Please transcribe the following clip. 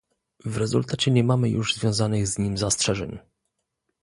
W rezultacie nie mamy już związanych z nim zastrzeżeń